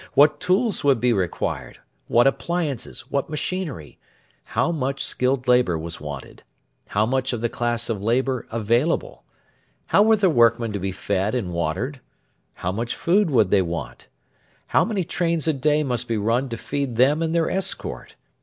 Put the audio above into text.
What tools would be required? What appliances? What machinery? How much skilled labour was wanted? How much of the class of labour available? How were the workmen to be fed and watered? How much food would they want? How many trains a day must be run to feed them and their escort?